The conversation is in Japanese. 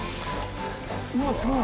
うわすごい。